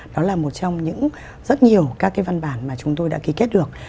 đó là một trong những rất nhiều các cái văn bản mà chúng tôi đã ký kết được